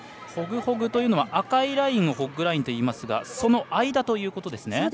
ホグホグというのは赤いラインをホッグラインといいますがその間ということですね。